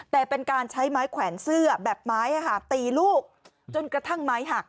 แต่เป็นการใช้ไม้แขวนเสื้อแบบไม้ตีลูกจนกระทั่งไม้หัก